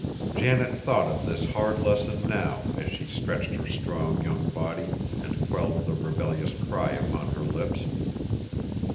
Janet thought of this hard lesson now as she stretched her strong young body, and quelled the rebellious cry upon her lips.